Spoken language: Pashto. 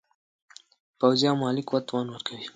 پوځي او مالي قوت توان ورکوي.